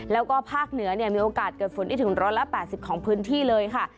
แล้วก็ภาคเหนือเนี่ยมีโอกาสเกิดฝนที่ถึงร้อยละแปดสิบของพื้นที่เลยค่ะ